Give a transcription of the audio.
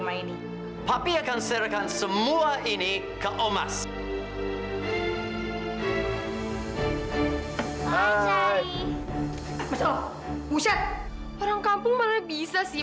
masya allah buset orang kampung malah bisa sih